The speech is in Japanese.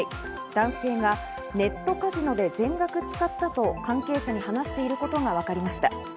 男性がネットカジノで全額使ったと関係者に話していることがわかりました。